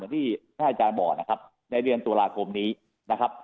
ในท่าจานบ่อนะครับในเรียนตุลากรมนี้นะครับ